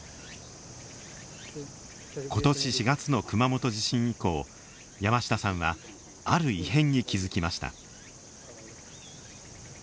今年４月の熊本地震以降山下さんはある異変に気付きました。